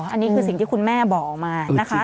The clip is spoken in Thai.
อันนี้คือสิ่งที่คุณแม่บอกออกมานะคะ